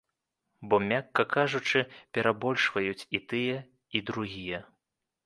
Бо, мякка кажучы, перабольшваюць і тыя, і другія.